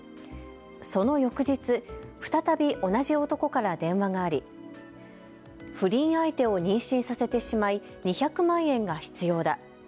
その翌日、再び同じ男から電話があり不倫相手を妊娠させてしまい２００万円が必要だ。